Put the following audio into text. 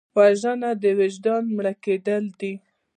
وژنه د وجدان مړه کېدل دي